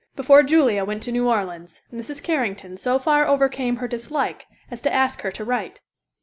Before Julia went to New Orleans, Mrs. Carrington so far overcame her dislike as to ask her to write.